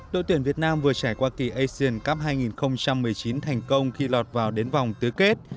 đội tuyển việt nam vừa trải qua kỳ asian cup hai nghìn một mươi chín thành công khi lọt vào đến vòng tứ kết